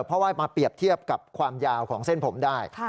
เพราะว่ามาเปรียบเทียบกับความยาวของเส้นผมได้